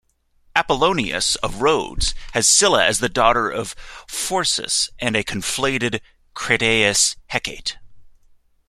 Apollonius of Rhodes has Scylla as the daughter of Phorcys and a conflated Crataeis-Hecate.